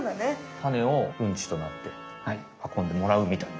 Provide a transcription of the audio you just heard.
タネをうんちとなってはこんでもらうみたいな。